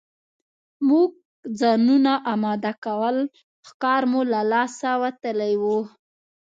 موږ چې ځانونه اماده کول ښکار مو له لاسه وتلی وو.